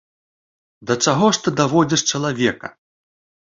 Да чаго ж ты даводзіш чалавека!